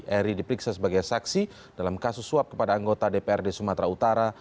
eri diperiksa sebagai saksi dalam kasus suap kepada anggota dprd sumatera utara